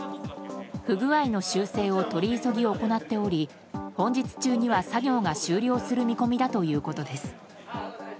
不具合の修正を取り急ぎ行っており本日中には作業が終了する見込みだということです。